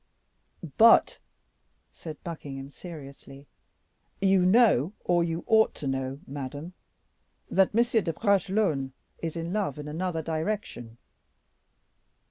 "But," said Buckingham, seriously, "you know, or you ought to know, madame, that M. de Bragelonne is in love in another direction."